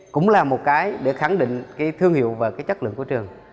cũng là một cái để khẳng định cái thương hiệu và cái chất lượng của trường